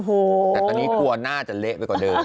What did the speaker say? แต่ตอนนี้กลัวน่าจะเละไปกว่าเดิม